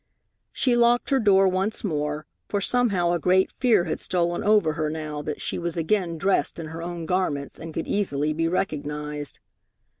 She locked her door once more, for somehow a great fear had stolen over her now that she was again dressed in her own garments and could easily be recognized.